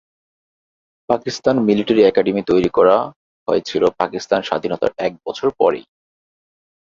Pakistan military academy তৈরি করা হয়েছিলো পাকিস্তানের স্বাধীনতার এক বছর পরেই।